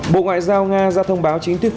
bộ ngoại giao nga ra thông báo chính thức